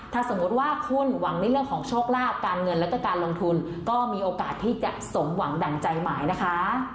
ถ้าสมมุติว่าคุณหวังในเรื่องของโชคลาภการเงินแล้วก็การลงทุนก็มีโอกาสที่จะสมหวังดั่งใจหมายนะคะ